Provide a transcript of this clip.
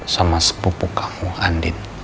sama sepupu kamu andin